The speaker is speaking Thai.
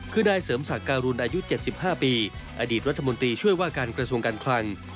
คือนายเสริมศักดิ์การุณอายุ๗๕ปีอดีตรัฐมนตรีช่วยว่าการกระทรวงการคลัง